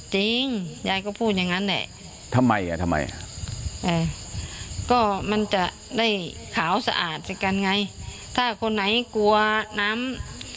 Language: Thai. ยายก็พูดอย่างนั้นแหละทำไมอ่ะทำไมก็มันจะได้ขาวสะอาดไปกันไงถ้าคนไหนกลัวน้ำ